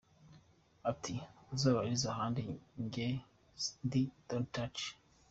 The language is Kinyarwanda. Ati:” uzabarize ahandi nge ndi don’t touch”.